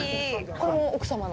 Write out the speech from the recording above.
これも奥様の。